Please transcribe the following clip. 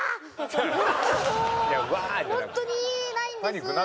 本当にないんです。